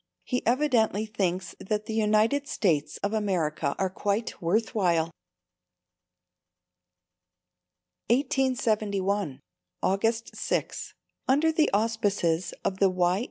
He evidently thinks that the United States of America are quite worth while. 1871 August 6. Under the auspices of the Y.